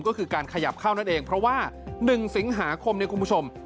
ก็คือการขยับเข้านั่นเองเพราะว่า๑สิงหาคมเนี่ยคุณผู้ชม